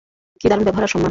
কী দারুণ ব্যবহার আর সম্মান।